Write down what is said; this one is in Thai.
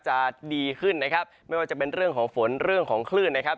จะดีขึ้นนะครับไม่ว่าจะเป็นเรื่องของฝนเรื่องของคลื่นนะครับ